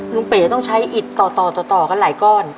เป๋ต้องใช้อิดต่อกันหลายก้อน